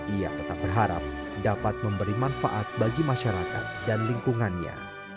ia tetap berharap dapat memberi manfaat bagi masyarakat dan lingkungannya